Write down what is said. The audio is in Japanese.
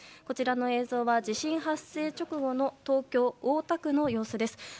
こちらの映像は地震発生直後の東京・大田区の様子です。